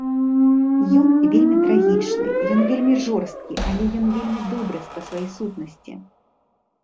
Ён вельмі трагічны, ён вельмі жорсткі, але ён вельмі добры па сваёй сутнасці.